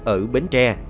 ở bến tre